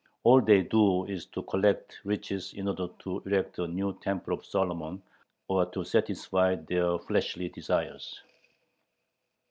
All they do is "to collect riches in order to erect a new temple of Solomon or [to satisfy] their fleshly desires."